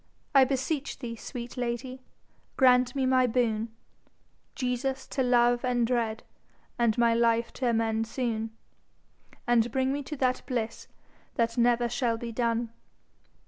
I beseech thee, sweet lady, grant me my boon Jesus to love and dread, and my life to amend soon, And bring me to that bliss that never shall be done.